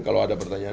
kalau ada pertanyaan